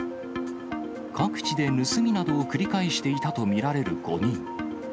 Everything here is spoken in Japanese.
各地で盗みなどを繰り返していたと見られる５人。